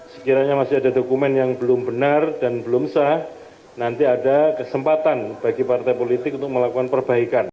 sekiranya masih ada dokumen yang belum benar dan belum sah nanti ada kesempatan bagi partai politik untuk melakukan perbaikan